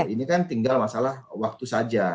ini kan tinggal masalah waktu saja